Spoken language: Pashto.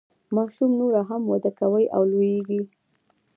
ماشوم نوره هم وده کوي او لوییږي.